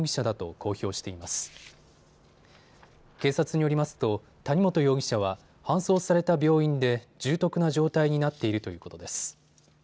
警察によりますと谷本容疑者は搬送された病院で重篤な状態になっているということです。